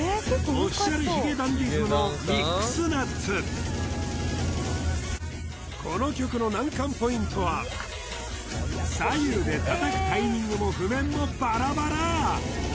Ｏｆｆｉｃｉａｌ髭男ｄｉｓｍのこの曲の難関ポイントは左右で叩くタイミングも譜面もバラバラ